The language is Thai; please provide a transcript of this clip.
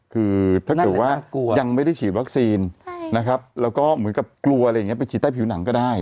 คือถ้าเกิดว่ายังไม่ได้ฉีดวัคซีนนะครับแล้วก็เหมือนกับกลัวอะไรอย่างนี้ไปฉีดใต้ผิวหนังก็ได้